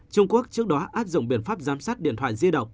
trung quốc trước đó áp dụng biện pháp giám sát điện thoại di động